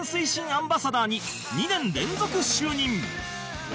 アンバサダーに２年連続就任